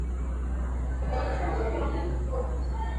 rais wa marekani barack obama